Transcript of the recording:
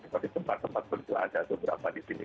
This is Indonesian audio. tapi tempat tempat pun juga ada beberapa di sini